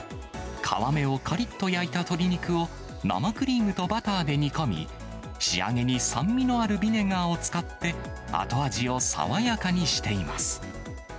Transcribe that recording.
皮目をかりっと焼いた鶏肉を生クリームとバターで煮込み、仕上げに酸味のあるビネガーを使って、後味を爽やかにしています。